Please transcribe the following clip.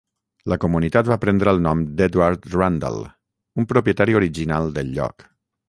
La comunitat va prendre el nom d'Edward Randall, un propietari original del lloc.